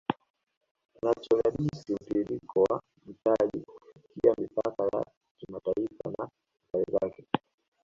Kinachodadisi mtiririko wa mtaji kupitia mipaka ya kimataifa na athari zaKe